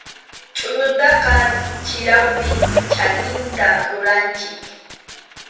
Chʼuñutaqa chirawpi chaninta ruranchik.